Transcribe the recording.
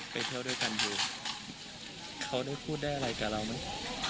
ไปเที่ยวด้วยกันอยู่เขาได้พูดได้อะไรกับเราไหม